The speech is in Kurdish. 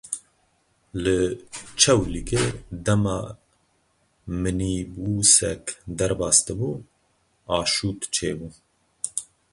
Li Çewlîgê dema minîbûsek derbas dibû aşût çê bû.